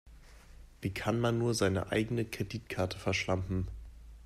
Wie kann man nur seine eigene Kreditkarte verschlampen?